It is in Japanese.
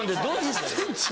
１ｃｍ。